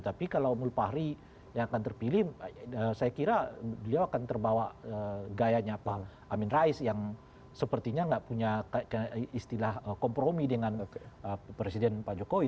tapi kalau mulfahri yang akan terpilih saya kira beliau akan terbawa gayanya pak amin rais yang sepertinya nggak punya istilah kompromi dengan presiden pak jokowi